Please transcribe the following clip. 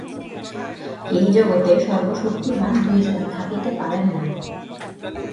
এই জগতে সর্বশক্তিমান দুইজন থাকিতে পারেন না।